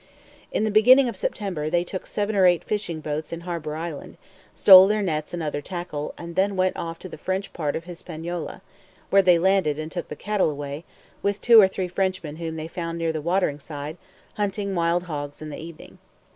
In the beginning of September, they took seven or eight fishing boats in Harbour Island, stole their nets and other tackle, and then went off to the French part of Hispaniola, where they landed, and took the cattle away, with two or three Frenchmen whom they found near the water side, hunting wild hogs in the evening.